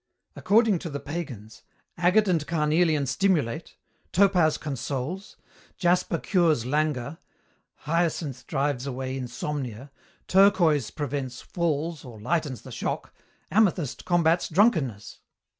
According to the pagans, agate and carnelian stimulate, topaz consoles, jasper cures languor, hyacinth drives away insomnia, turquoise prevents falls or lightens the shock, amethyst combats drunkenness.